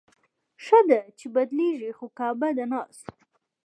ښه ده، چې بدلېږي خو کعبه د ناز